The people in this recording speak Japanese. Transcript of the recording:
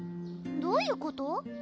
どういうこと？